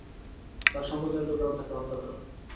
তার সম্প্রদায়ের লোকেরা তাঁকে হত্যা করে।